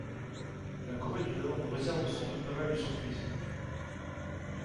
La corée du Nord nous réserve sans doute pas mal de surprise.